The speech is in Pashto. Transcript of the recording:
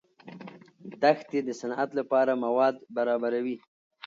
دښتې د صنعت لپاره مواد برابروي.